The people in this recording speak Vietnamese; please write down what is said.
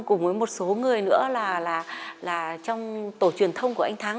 cùng với một số người nữa là trong tổ truyền thông của anh thắng